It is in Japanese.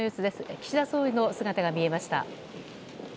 岸田総理の姿が見えました。